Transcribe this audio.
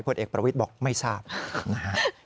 ผลเอกประวิทย์บอกไม่ทราบนะฮะ